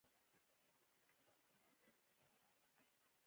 په افغانستان کې د زردالو د اړتیاوو پوره کولو لپاره اقدامات کېږي.